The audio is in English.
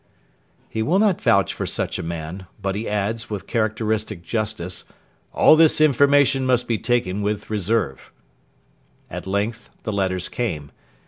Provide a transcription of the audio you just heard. He will not vouch for such a man; but he adds, with characteristic justice, 'all this information must be taken with reserve.' At length the letters came.